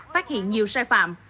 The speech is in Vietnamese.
phát hiện nhiều sai phạm